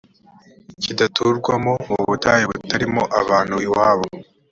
kidaturwamo mu butayu butarimo abantu iwabo